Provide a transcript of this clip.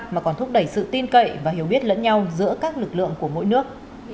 mà còn thúc đẩy sự tin cậy và hiểu biết lẫn nhau giữa các lực lượng của mỗi nước